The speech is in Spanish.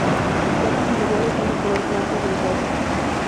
Sus partes inferiores son de color blanco grisáceo.